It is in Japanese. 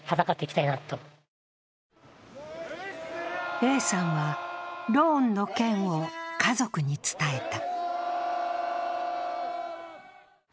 Ａさんは、ローンの件を家族に伝えた。